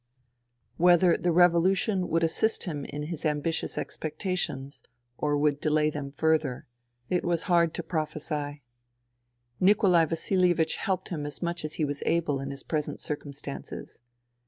Whether the revolution would 94 FUTILITY assist him in his ambitious expectations, or would delay them further, it was hard to prophesy. Nikolai Vasilievich helped him as much as he was able in his present circumstances.